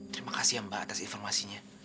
terima kasih ya mbak atas informasinya